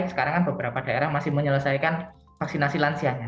sekarang kan beberapa daerah masih menyelesaikan vaksinasi lansianya